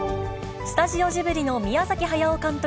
スタジオジブリの宮崎駿監督